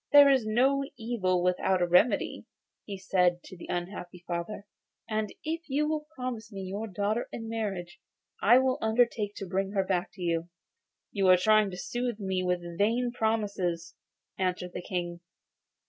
'There is no evil without a remedy,' he said to the unhappy father; 'and if you will promise me your daughter in marriage, I will undertake to bring her back to you.' 'You are trying to soothe me by vain promises,' answered the King.